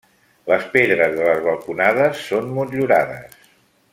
Les pedres de les balconades són motllurades.